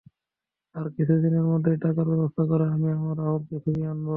আর কিছু দিনের মধ্যে টাকার ব্যবস্থা করে আমি আমার রাহুলকে ফিরিয়ে আনবো।